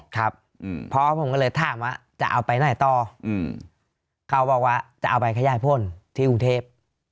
ครับพ่อผมก็เลยถามว่าจะเอาไปไหนต่อเขาบอกว่าจะเอาไปขยายผลที่กรุงเทพ